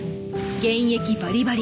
現役バリバリ。